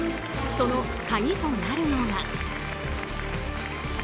その鍵となるのが。